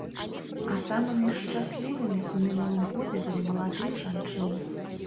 А самымі ж шчаслівымі ў мінулым годзе былі маладыя жанчыны.